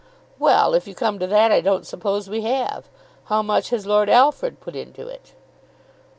"Well, if you come to that, I don't suppose we have. How much has Lord Alfred put into it?"